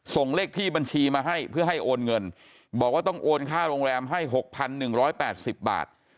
เลขที่บัญชีมาให้เพื่อให้โอนเงินบอกว่าต้องโอนค่าโรงแรมให้๖๑๘๐บาท